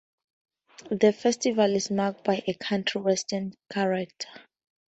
The festival is marked by a country western character.